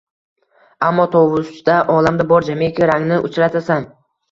Ammo tovusda olamda bor jamiki rangni uchratasan